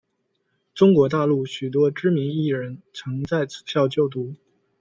中国大陆许多知名艺人曾在此校就读。